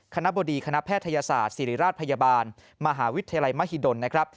คณะบดีคณะแพทยศาสตร์ศิริราชพยาบาลมหาวิทยาลัยมหิดลนะครับ